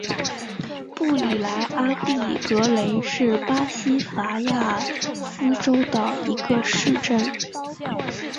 布里蒂阿莱格雷是巴西戈亚斯州的一个市镇。